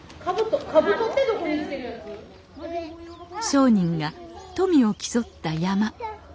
商人が富を競った山車。